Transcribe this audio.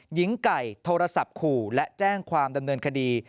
หญิงไก่โทรศัพท์ขู่และแจ้งความดำเนินคดี